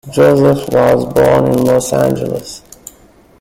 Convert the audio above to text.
Joseph was born in Los Angeles.